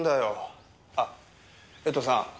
あ江藤さん。